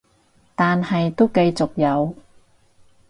但係都繼續有